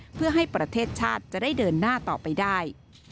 เพื่อให้ประเทศชาติจะได้เดินหน้าต่อไปได้